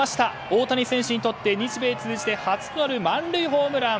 大谷選手にとって日米通じて初となる満塁ホームラン。